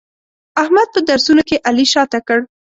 احمد په درسونو کې علي شاته کړ.